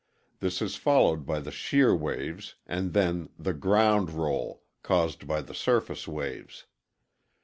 This is followed by the shear waves and then the ŌĆ£ground rollŌĆØ caused by the surface waves.